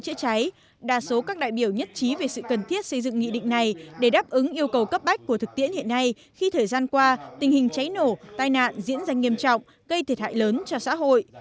đó là một trong những sự cần thiết xây dựng nghị định này để đáp ứng yêu cầu cấp bách của thực tiễn hiện nay khi thời gian qua tình hình cháy nổ tai nạn diễn ra nghiêm trọng gây thiệt hại lớn cho xã hội